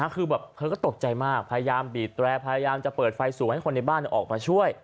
คือแบบเธอก็ตกใจมากพยายามบีดแรร์พยายามจะเปิดไฟสูงให้คนในบ้านออกมาช่วย